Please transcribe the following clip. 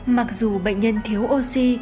mặc dù bệnh nhân thiếu oxy